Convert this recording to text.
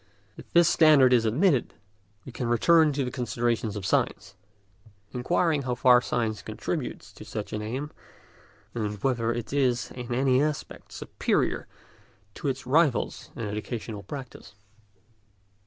If this standard is admitted, we can return to the consideration of science, inquiring how far science contributes to such an aim, and whether it is in any respect superior to its rivals in educational practice.